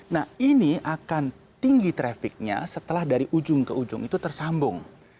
nah ini akan tinggi trafficnya setelah dari ujung ke ujung itu tersambung